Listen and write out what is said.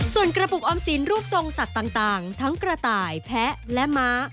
ส่วนกระปุกออมสินรูปทรงสัตว์ต่างทั้งกระต่ายแพ้และม้า